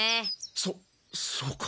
そっそうか。